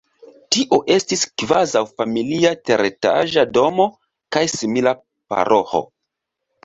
Tio estis kvazaŭ familia teretaĝa domo kaj simila paroĥo.